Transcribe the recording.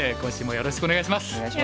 よろしくお願いします。